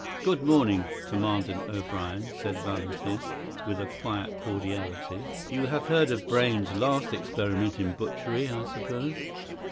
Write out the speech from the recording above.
"Good morning, Commandant O'Brien," said Valentin, with quiet cordiality. "You have heard of Brayne's last experiment in butchery, I suppose?"